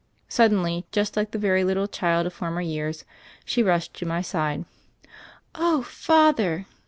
Suddenly, just like the very little child or former years, she rushed to my side. "Oh, Father!"